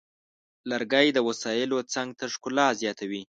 لرګی د وسایلو څنګ ته ښکلا زیاتوي.